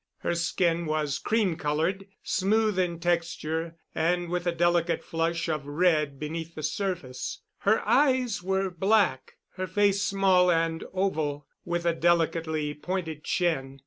Her skin was cream colored, smooth in texture, and with a delicate flush of red beneath the surface. Her eyes were black, her face small and oval, with a delicately pointed chin.